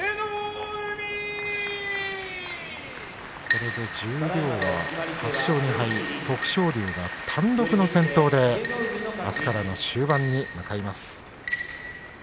これで十両の８勝２敗、徳勝龍が単独の先頭であすからの終盤に向かいます。